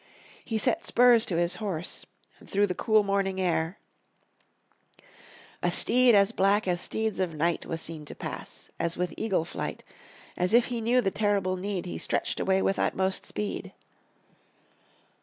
He set spurs to his horse, and through the cool morning air, "A steed as black as steeds of night, Was seen to pass, as with eagle flight. As if he knew the terrible need, He stretched away with his utmost speed."